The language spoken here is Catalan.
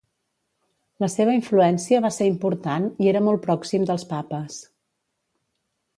La seva influència va ser important i era molt pròxim dels papes.